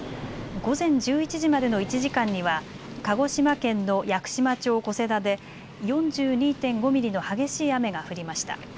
午前１１時までの１時間には鹿児島県の屋久島町小瀬田で４２．５ミリの激しい雨が降りました。